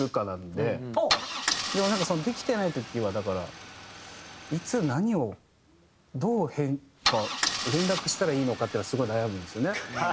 でもなんかできてない時はだからいつ何をどう連絡したらいいのかっていうのはすごい悩むんですよね。